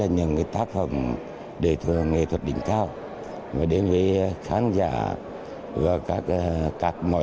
những ca khúc hào hùng trữ tình thể hiện được sự hội nhập văn hóa